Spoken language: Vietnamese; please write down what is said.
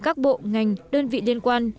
các bộ ngành đơn vị liên quan